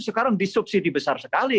sekarang disubsidi besar sekali